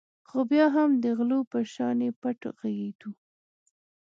خو بیا هم د غلو په شانې پټ غږېدو.